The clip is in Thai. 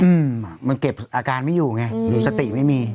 อืมมันเก็บอาการไม่อยู่ไงสติไม่มี